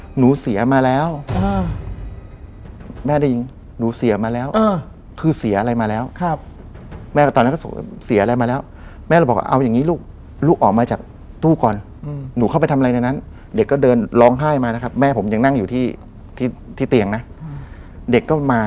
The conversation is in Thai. เหตุการณ์มันก็ไม่ได้ดีขึ้นน่ะ